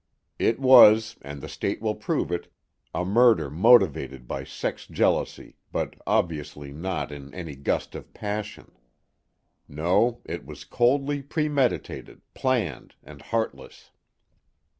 It was, and the State will prove it, a murder motivated by sex jealousy, but obviously not in any gust of passion. No, it was coldly premeditated, planned, and heartless."